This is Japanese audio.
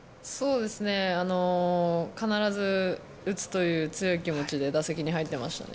必ず打つという強い気持ちで打席に入っていましたね。